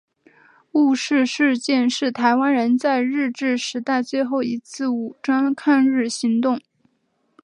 雾社事件是台湾人在日治时代最后一次武装抗日行动。